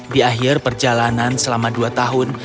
di akhir perjalanan selama dua tahun